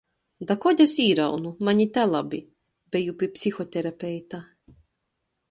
Da kod es īraunu, maņ i te labi... Beju pi psihoterapeita.